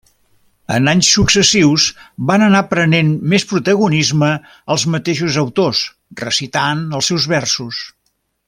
En anys successius, van anar prenent més protagonisme els mateixos autors recitant els seus versos.